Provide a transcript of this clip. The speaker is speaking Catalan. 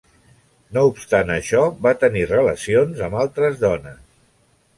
No obstant això va tenir relacions amb altres dones.